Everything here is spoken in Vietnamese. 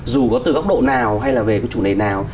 dù có từ góc độ nào hay là về cái chủ đề nào